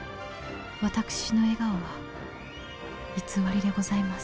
私の笑顔は偽りでございます。